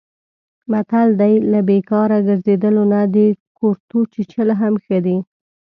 متل دی: له بیکاره ګرځېدلو نه د کورتو چیچل هم ښه دي.